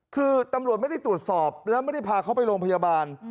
คือตำรวจไม่ได้ตรวจสอบแล้วไม่ได้พาเขาไปโรงพยาบาล